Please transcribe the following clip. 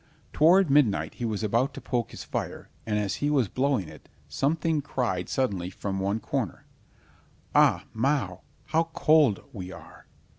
Toward midnight he was about to poke his fire, and as he was blowing it, something cried suddenly from one cornier, "Au, miau! how cold we are!"